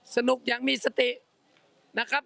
อย่างมีสตินะครับ